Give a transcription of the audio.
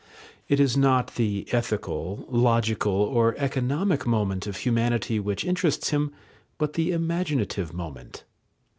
It is not the ethical, logical, or economic moment of humanity which interests him, but the imaginative moment.